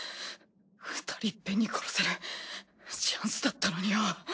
２人いっぺんに殺せるチャンスだったのによ。